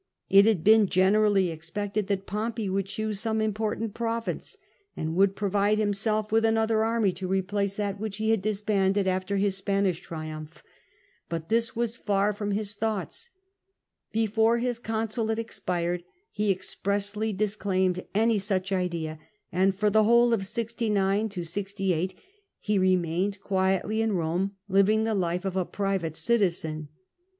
It had been generally expected that Pompey would choose some important province, and would provide himself POMPEY LEAVES ROME 179 with another army to replace that which he had disbanded after his Spanish triumph; but this was far from his thoughts; before his consulate expired he expressly disclaimed any such idea, and for the whole of 69 68 he remained quietly in Rome living the life of a private citizen.